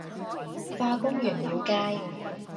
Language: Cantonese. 化工原料街